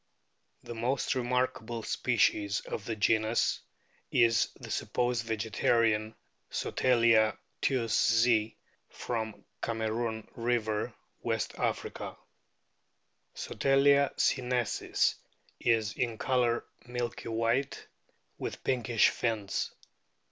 268 A BOOK OF WHALES The most remarkable species of the genus is the supposed vegetarian Solatia teiiszei, from Cameroon river, West Africa. Sotalia sinensis is in colour milky white, with pinkish fins.